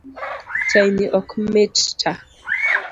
Chai ni ok mita